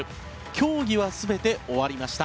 競技は全て終わりました。